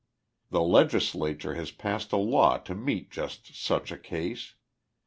The legislature has passed a law to meet just such a case.